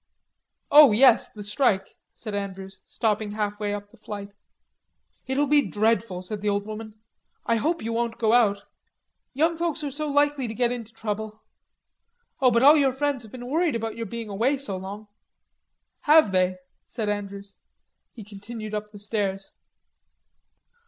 "Oh, yes, the strike," said Andrews, stopping half way up the flight. "It'll be dreadful," said the old woman. "I hope you won't go out. Young folks are so likely to get into trouble...Oh, but all your friends have been worried about your being away so long." "Have they?'" said Andrews. He continued up the stairs.